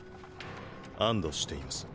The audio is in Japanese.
安堵しています。